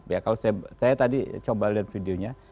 ya kalau saya tadi coba lihat videonya